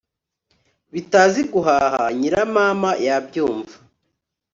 bitazi guhaha.nyiramama yabyumva